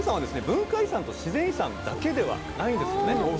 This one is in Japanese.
文化遺産と自然遺産だけではないんですね